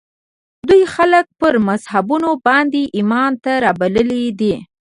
دوی خلک پر مذهبونو باندې ایمان ته رابللي دي